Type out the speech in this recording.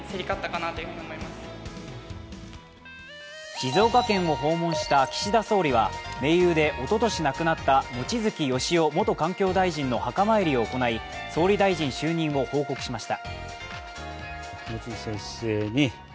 静岡県を訪問した岸田総理は盟友でおととし亡くなった望月義夫元環境大臣の墓参りを行い総理大臣就任を報告しました。